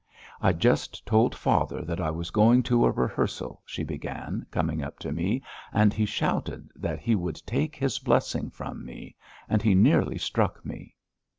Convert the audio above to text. "I just told father that I was going to a rehearsal," she began, coming up to me, "and he shouted that he would take his blessing from me, and he nearly struck me.